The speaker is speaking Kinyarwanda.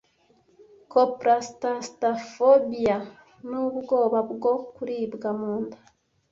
Coprastastaphobia nubwoba bwo kuribwa mu nda